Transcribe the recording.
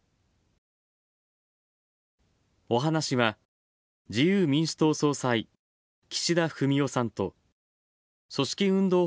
お話しは、自由民主党総裁岸田文雄さんと、組織運動